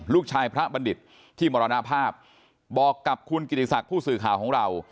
พระบัณฑิตที่มรณภาพบอกกับคุณกิติศักดิ์ผู้สื่อข่าวของเรา